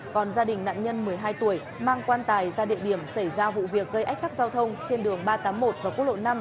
còn gia đình nạn nhân một mươi hai tuổi mang quan tài ra địa điểm xảy ra vụ việc gây ách tắc giao thông trên đường ba trăm tám mươi một và quốc lộ năm